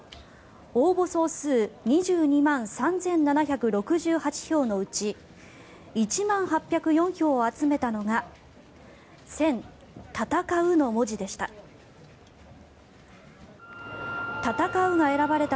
応募総数２２万３７６８票のうち１万８０４票を集めたのが「戦」の文字でした。